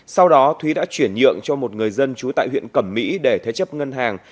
sau đó thúy đã chuyển nhượng cho một người dân trú tại huyện cẩm mỹ để thế chấp ngân hàng